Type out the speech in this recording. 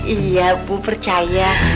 iya bu percaya